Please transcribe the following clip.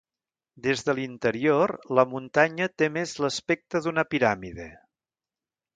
Des de l'interior, la muntanya té més l'aspecte d'una piràmide.